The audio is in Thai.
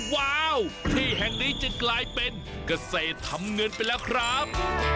ว้าวที่แห่งนี้จึงกลายเป็นเกษตรทำเงินไปแล้วครับ